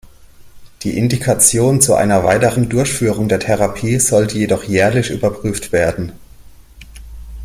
Die Indikation zu einer weiteren Durchführung der Therapie sollte jedoch jährlich überprüft werden.